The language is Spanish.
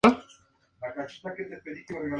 Se encuentra en Camerún, Congo y Nigeria.